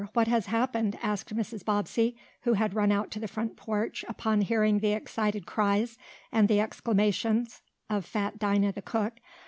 What has happened?" asked Mrs. Bobbsey, who had run out to the front porch, upon hearing the excited cries, and the exclamations of fat Dinah, the cook.